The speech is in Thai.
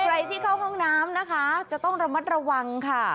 ใครที่เข้าห้องน้ำนะคะจะต้องระมัดระวังค่ะ